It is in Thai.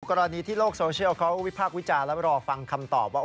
กรณีที่โลกโซเชียลเขาวิพากษ์วิจารณ์และรอฟังคำตอบว่า